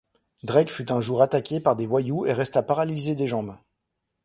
Drake fut un jour attaqué par des voyous et resta paralysé des jambes.